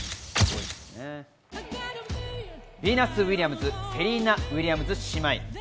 ビーナス・ウィリアムズ、セリーナ・ウィリアムズ姉妹。